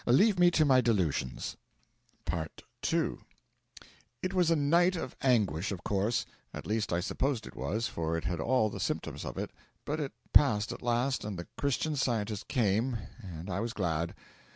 Leave me to my delusions.' II It was a night of anguish, of course at least I supposed it was, for it had all the symptoms of it but it passed at last, and the Christian Scientist came, and I was glad.